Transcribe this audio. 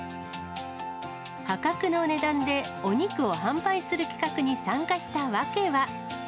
破格の値段でお肉を販売する企画に参加した訳は。